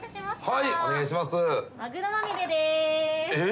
はい。